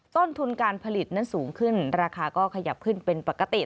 ต้นทุนการผลิตนั้นสูงขึ้นราคาก็ขยับขึ้นเป็นปกติ